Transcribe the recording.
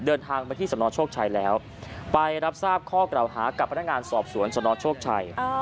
เดินทางไปที่สนโชคชัยแล้วไปรับทราบข้อกล่าวหากับพนักงานสอบสวนสนโชคชัย